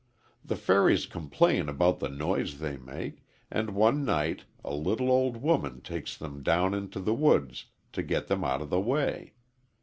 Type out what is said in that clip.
The fairies complain about the noise they make, and one night a little old woman takes them down into the woods to get them out of the way.